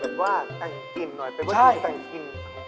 มันคุกกี้ใหม่น่ะอ่ะ